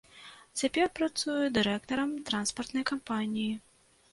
Цяпер працуе дырэктарам транспартнай кампаніі.